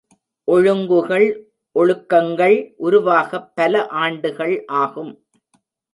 ஒழுங்குகள் ஒழுக்கங்கள் உருவாகப் பல ஆண்டுகள் ஆகும்.